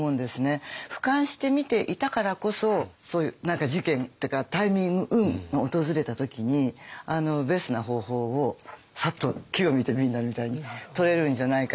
俯瞰して見ていたからこそそういう何か事件っていうかタイミング運が訪れた時にベストな方法をサッと機を見て敏みたいにとれるんじゃないかなって。